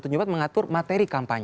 kalau yang atas mengatur arti kampanye